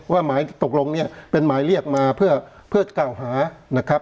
ว่าหมายตกลงเนี้ยเป็นหมายเรียกมาเพื่อเพื่อเก้าหานะครับ